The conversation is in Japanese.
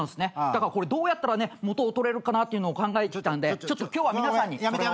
だからどうやったら元を取れるかっていうのを考えてきたんで今日は皆さんにそれを。